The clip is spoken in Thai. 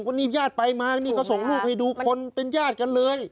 วันนี้ญาติไปมานี่เขาส่งรูปให้ดูคนเป็นญาติกันเลย